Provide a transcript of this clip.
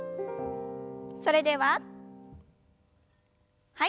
それでははい。